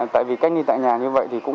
tại vì cách ly tại nhà như vậy thì cũng